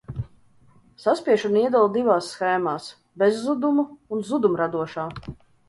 Saspiešanu iedala divās shēmās: bezzudumu un zudumradošā.